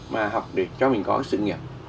mà học để cho mình có sự nghiệp